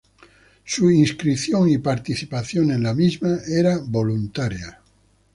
Su inscripción y participación en la misma era voluntaria.